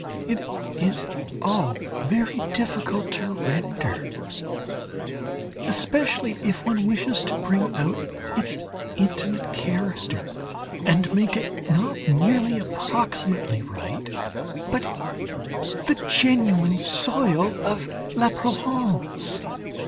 It is all very difficult to render, especially if one wishes to bring out its intimate character, and make it not merely approximately right, but the genuine soil of La Provence.